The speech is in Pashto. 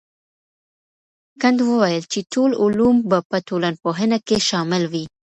کنت وويل چي ټول علوم به په ټولنپوهنه کي شامل وي.